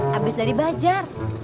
habis dari bajar